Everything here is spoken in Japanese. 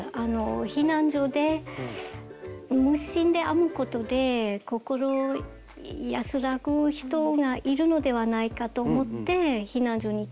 避難所で無心で編むことで心安らぐ人がいるのではないかと思って避難所に毛糸を送ったんですね。